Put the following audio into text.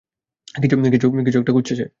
কিছু একটা খুঁজছে সে!